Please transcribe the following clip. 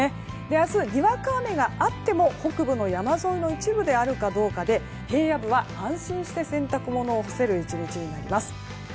明日、にわか雨があっても北部の一部にあるかどうかで平野部は安心して洗濯物を干せる１日になります。